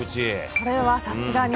これはさすがに。